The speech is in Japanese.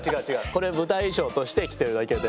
これ舞台衣装として着てるだけで。